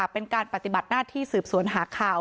เป็นการปฏิบัติหน้าที่สืบสวนหาข่าว